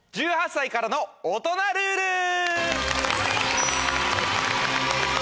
１８歳からの大人ルール。